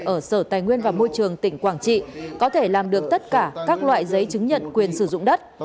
ở sở tài nguyên và môi trường tỉnh quảng trị có thể làm được tất cả các loại giấy chứng nhận quyền sử dụng đất